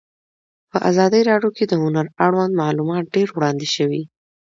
په ازادي راډیو کې د هنر اړوند معلومات ډېر وړاندې شوي.